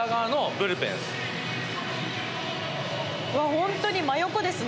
本当に真横ですね。